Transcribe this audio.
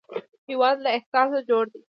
هېواد له احساس جوړ دی